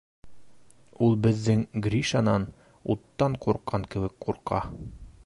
Ул беҙҙең Гришанан уттан ҡурҡҡан кеүек ҡурҡа.